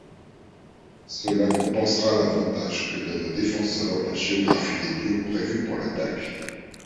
Cela compensera l'avantage que donne aux défenseurs la géographie des lieux prévus pour l'attaque.